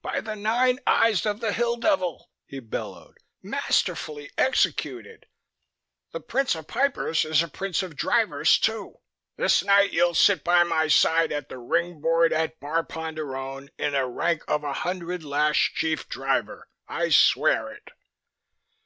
"By the nine eyes of the Hill Devil!" he bellowed, "masterfully executed! The prince of Pipers is a prince of Drivers too! This night you'll sit by my side at the ring board at Bar Ponderone in the rank of a hundred lash Chief Driver, I swear it!"